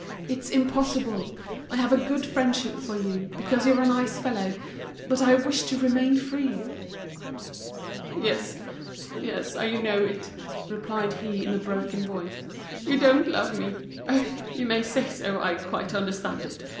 It's impossible. I have a good friendship for you, because you're a nice fellow; but I wish to remain free." "Yes, yes. I know it," replied he in a broken voice, "you don't love me. Oh! you may say so, I quite understand it.